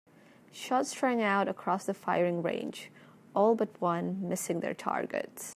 Shots rang out across the firing range, all but one missing their targets.